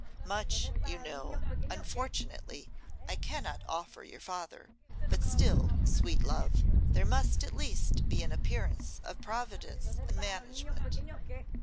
Much, you know, unfortunately, I cannot offer your father; but still, sweet love, there must at least be an appearance of providence and management.